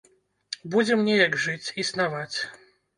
Будзем неяк жыць, існаваць.